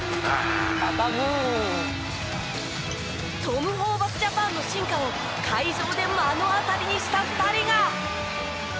トム・ホーバスジャパンの進化を会場で目の当たりにした２人が。